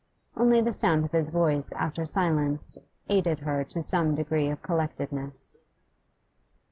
Only the sound of his voice after silence aided her to some degree of collectedness.